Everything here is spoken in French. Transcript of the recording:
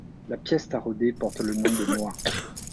La pièce taraudée porte le nom de noix.